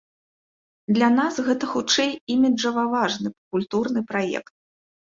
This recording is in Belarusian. Для нас гэта хутчэй іміджава важны культурны праект.